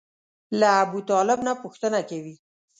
له ابوطالب نه پوښتنه کوي.